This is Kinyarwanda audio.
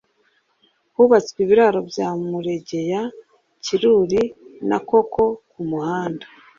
Hubatswe ibiraro bya Muregeya Kiruri na Koko ku muhanda